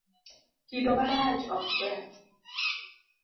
Kido marach ok ber.